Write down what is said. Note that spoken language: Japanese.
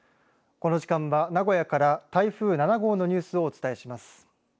この時間は名古屋から台風７号のニュースをお伝えします。